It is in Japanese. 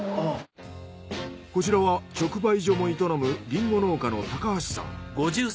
こちらは直売所も営むリンゴ農家の橋さん。